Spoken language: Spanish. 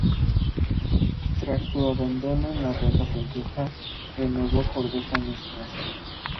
Tras su abandono en la ronda francesa renovó por dos años más.